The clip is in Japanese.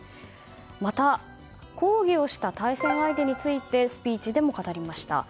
また、抗議をした対戦相手についてスピーチでも語りました。